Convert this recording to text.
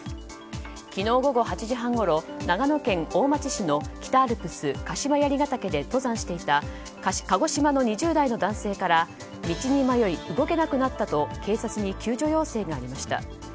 昨日午後８時半ごろ長野県大町市の北アルプス鹿島槍ケ岳で登山していた鹿児島の２０代の男性から道に迷い動けなくなったと警察に救助要請がありました。